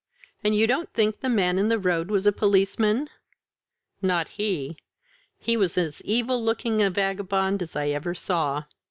And you don't think the man in the road was a policeman?" "Not he. He was as evil looking a vagabond as ever I saw."